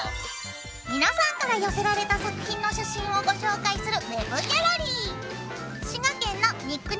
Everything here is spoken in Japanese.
皆さんから寄せられた作品の写真をご紹介する「ＷＥＢギャラリー」。